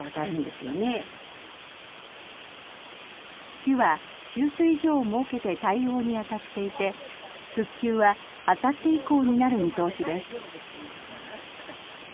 市は給水所を設けて対応に当たっていて復旧はあさって以降になる見通しです。